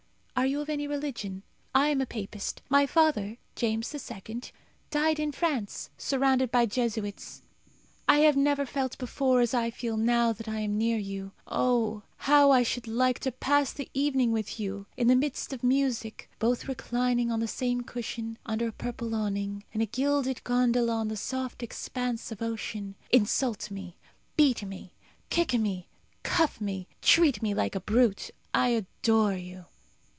Are you of any religion? I am a Papist. My father, James II., died in France, surrounded by Jesuits. I have never felt before as I feel now that I am near you. Oh, how I should like to pass the evening with you, in the midst of music, both reclining on the same cushion, under a purple awning, in a gilded gondola on the soft expanse of ocean! Insult me, beat me, kick me, cuff me, treat me like a brute! I adore you."